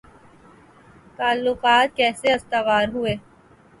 تعلقات کیسے استوار ہوئے